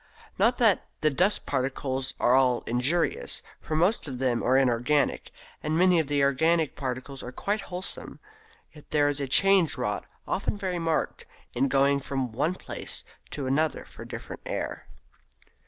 Not that the dust particles are all injurious; for most of them are inorganic, and many of the organic particles are quite wholesome; yet there is a change wrought, often very marked, in going from one place to another for different air.